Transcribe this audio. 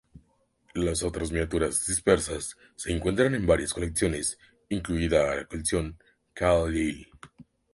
Las otras miniaturas dispersas se encuentran en varias colecciones, incluida la colección Khalil.